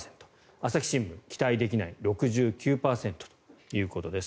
朝日新聞、期待できないが６９％ということです。